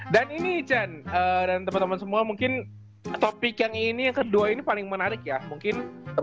dan ini ican dan temen temen semua mungkin topik yang ini yang kedua ini paling menarik ya mungkin